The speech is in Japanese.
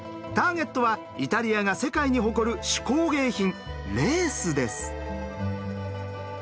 ターゲットはイタリアが世界に誇る手工芸品レースです。